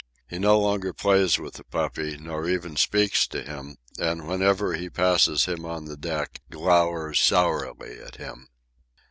He no longer plays with the puppy, nor even speaks to him, and, whenever he passes him on the deck, glowers sourly at him.